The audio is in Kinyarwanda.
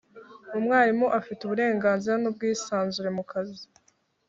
Umwarimu afite uburenganzira n’ubwisanzure mu kazi